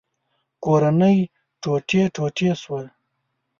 کورنۍ ټوټې ټوټې شوه.